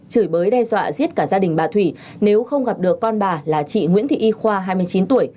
chửi bới đe dọa giết cả gia đình bà thủy nếu không gặp được con bà là chị nguyễn thị y khoa hai mươi chín tuổi